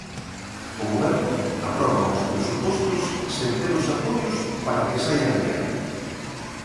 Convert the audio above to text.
O Goberno aproba os presupostos sen ter os apoios para que saian adiante.